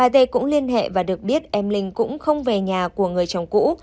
t cũng liên hệ và được biết em linh cũng không về nhà của người chồng cũ